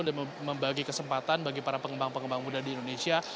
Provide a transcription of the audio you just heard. dan membagi kesempatan bagi para pengembang pengembang muda di indonesia